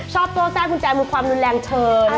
ชอบโซ่แทรกุญแจมือความรุนแรงเทินค่ะ